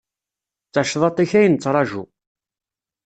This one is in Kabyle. D tacḍaṭ-ik ay nettraǧu.